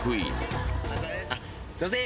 ええすいません